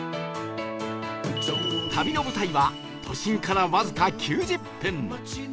旅の舞台は都心からわずか９０分